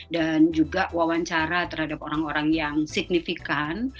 dan juga wawancara terhadap orang orang yang signifikan